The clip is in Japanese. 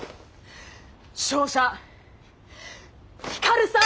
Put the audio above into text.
勝者光さん！